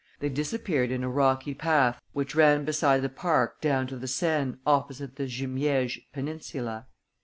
They disappeared in a rocky path which ran beside the park down to the Seine, opposite the Jumièges peninsula.